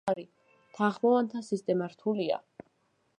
თანხმოვანთა სისტემა რთულია.